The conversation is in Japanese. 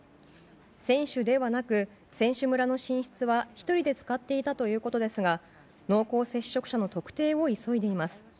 選手ではなく選手村の寝室は１人で使っていたということですが濃厚接触者の特定を急いでいます。